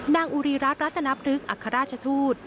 นางอุรีรัตรรัฐนับลึกอัครราชทูต